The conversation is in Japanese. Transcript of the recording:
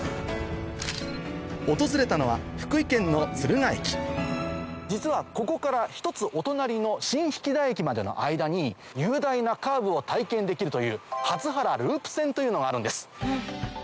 訪れたのは実はここから１つお隣の新疋田駅までの間に雄大なカーブを体験できるという鳩原ループ線というのがあるんです。